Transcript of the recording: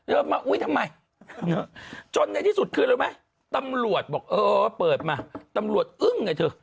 มาอุ๊ยทำไมจนในที่สุดคือรู้ไหมตำรวจบอกเออเปิดมาตำรวจอึ้งไงเธอ